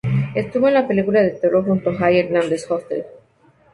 Estuvo en la película de terror junto a Jay Hernandez, "Hostel".